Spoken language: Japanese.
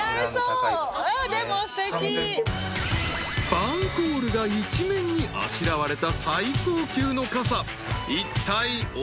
［スパンコールが一面にあしらわれた最高級の傘いったいお幾ら？］